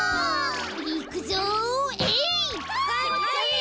いくぞえい！